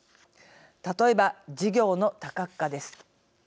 例えば、事業の多角化です。